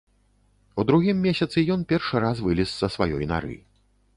У другім месяцы ён першы раз вылез са сваёй нары.